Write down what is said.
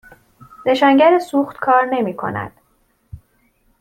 نشانگر سوخت کار نمی کند.